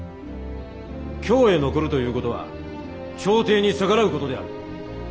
京へ残るという事は朝廷に逆らう事である。